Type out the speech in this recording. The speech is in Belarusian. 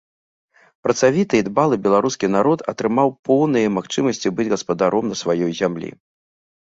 Працавіты і дбалы беларускі народ атрымаў поўныя магчымасці быць гаспадаром на сваёй зямлі.